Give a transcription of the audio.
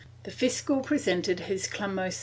The fiscal presented his clamosa.